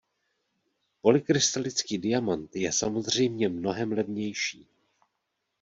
Polykrystalický diamat je samozřejmě mnohem levnější.